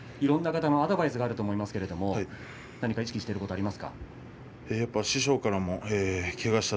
いろんな方のアドバイスがあると思いますが意識してること、ありますか。